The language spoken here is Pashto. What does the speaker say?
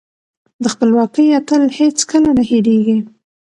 د خپلواکۍ اتل هېڅکله نه هيريږي.